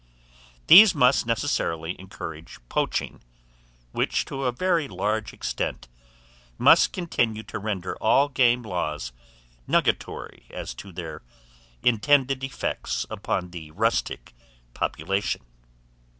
These must necessarily encourage poaching, which, to a very large extent, must continue to render all game laws nugatory as to their intended effects upon the rustic population.